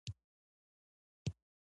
عبدالله دوې پښې په یوه موزه کې اچولي.